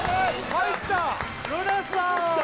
入った！